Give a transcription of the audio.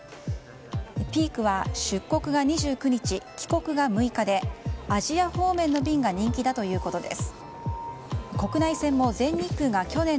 ピークは、出国が２９日帰国が６日でアジア方面の便が人気だということです。